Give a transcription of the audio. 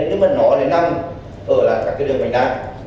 nhưng mà nó lại nằm ở lại các đường bành đa